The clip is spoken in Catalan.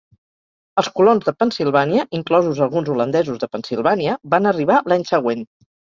Els colons de Pennsilvània, inclosos alguns holandesos de Pennsilvània, van arribar l'any següent.